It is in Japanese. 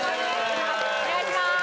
お願いしまーす。